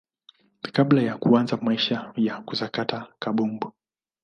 kabla ya kuanza maisha ya kusakata kabumbu